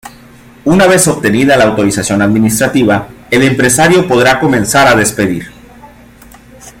Una vez obtenida la autorización administrativa, el empresario podrá comenzar a despedir.